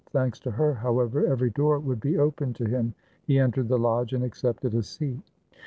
Thanks to her, however, every door would be opened to him. He entered the lodge and accepted a seat.